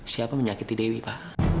siapa menyakiti dewi pa